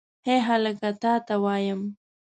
هې هلکه تا ته وایم.